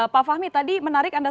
pak fahmi tadi menarik anda